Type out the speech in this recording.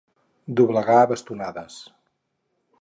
Doblegar a bastonades.